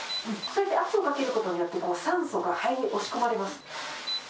それで圧をかけることによって、酸素が肺に押し込まれます。